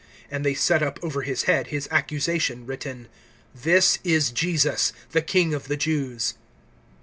(37)And they set up over his head his accusation, written: THIS IS JESUS THE KING OF THE JEWS.